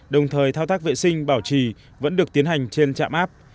đồng thời thao tác vệ sinh bảo trì vẫn được tiến hành trên trạm áp